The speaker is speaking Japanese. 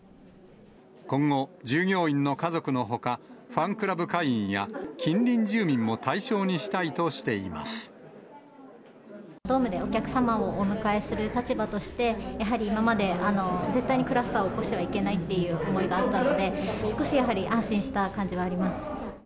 今後、従業員の家族のほか、ファンクラブ会員や、近隣住民もドームでお客様をお迎えする立場として、やはり今まで絶対にクラスターを起こしてはいけないという思いがあったので、少し、やはり安心した感じはあります。